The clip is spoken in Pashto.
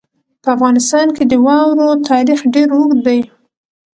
په افغانستان کې د واورو تاریخ ډېر اوږد دی.